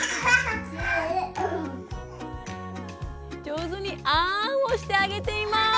上手に「あん」をしてあげています。